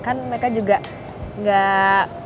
kan mereka juga gak